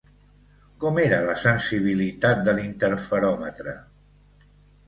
Com era la sensibilitat de l'interferòmetre?